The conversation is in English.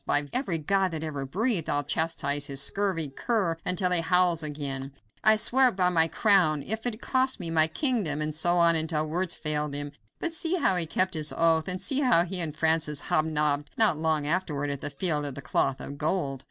By every god that ever breathed, I'll chastise this scurvy cur until he howls again. I swear it by my crown, if it cost me my kingdom," and so on until words failed him. But see how he kept his oath, and see how he and Francis hobnobbed not long afterward at the Field of the Cloth of Gold.